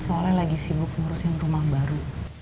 soalnya lagi sibuk ngurusin rumah baru